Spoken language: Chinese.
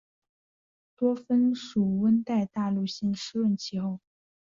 多芬属温带大陆性湿润气候。